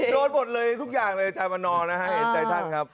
โดนหมดเลยทุกอย่างเลยอาจารย์วันนอร์นะฮะเห็นใจท่านครับ